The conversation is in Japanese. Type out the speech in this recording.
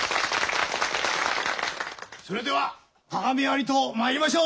それでは鏡割りとまいりましょう！